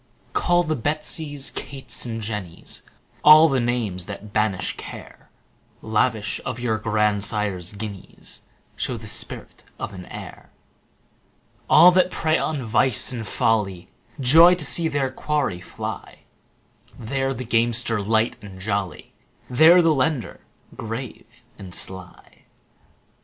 Call the Betsies, Kates, and Jennies, All the names that banish care; 10 Lavish of your grandsire's guineas, Show the spirit of an heir. All that prey on vice and folly Joy to see their quarry fly: There the gamester, light and jolly, 15 There the lender, grave and sly.